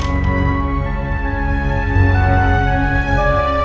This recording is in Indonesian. kalian tahu puas vitop